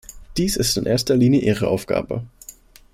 Dies ist in erster Linie ihre Aufgabe.